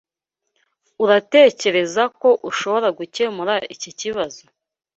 Uratekereza ko ushobora gukemura iki kibazo?